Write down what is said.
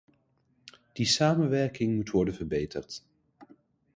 Die samenwerking moet worden verbeterd.